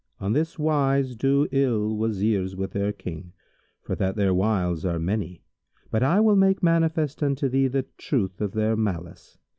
On this wise do ill Wazirs with their King, for that their wiles are many; but I will make manifest unto thee the truth of their malice.